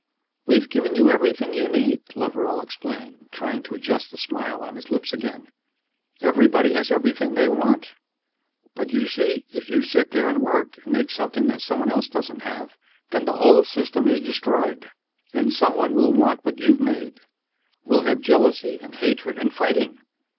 "We've given you everything you need," Loveral explained, trying to adjust the smile on his lips again. "Everybody has everything they want. But, you see, if you sit there and work and make something that someone else doesn't have, then the whole system is destroyed. Then someone will want what you've made. We'll have jealousy and hatred and fighting.